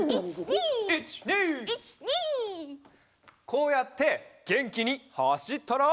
こうやってげんきにはしったら。